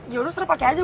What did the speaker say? ya udah serah pakai aja